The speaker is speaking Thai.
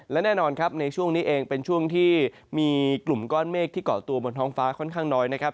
และแน่นอนครับในช่วงนี้เองเป็นช่วงที่มีกลุ่มก้อนเมฆที่เกาะตัวบนท้องฟ้าค่อนข้างน้อยนะครับ